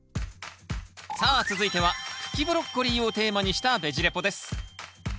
さあ続いては茎ブロッコリーをテーマにした「ベジ・レポ」です